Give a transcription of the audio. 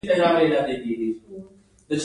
کسبګرو د خرڅلاو لپاره په تولید لاس پورې کړ.